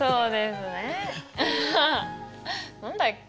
何だっけ？